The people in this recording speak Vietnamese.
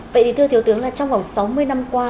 vậy thì thưa thiếu tướng là trong vòng sáu mươi năm qua